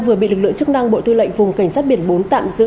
vừa bị lực lượng chức năng bộ tư lệnh vùng cảnh sát biển bốn tạm giữ